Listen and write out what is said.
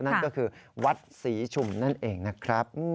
นั่นก็คือวัดศรีชุมนั่นเองนะครับ